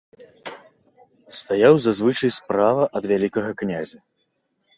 Стаяў зазвычай справа ад вялікага князя.